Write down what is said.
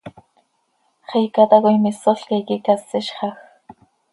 ¡Xiica tacoi mísolca iiqui cásizxaj!